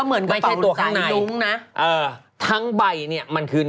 สำคัญตรงนี้